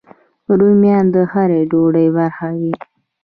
رومیان د هر ډوډۍ برخه وي